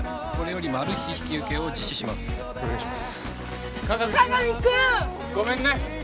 これよりマルヒ引き受けを実施します